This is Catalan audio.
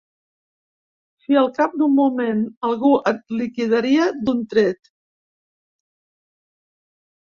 Si al cap d'un moment algú et liquidaria d'un tret